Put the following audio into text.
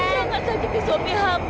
jangan sakiti suami kak